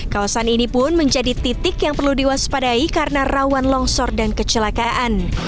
kawasan ini pun menjadi titik yang perlu diwaspadai karena rawan longsor dan kecelakaan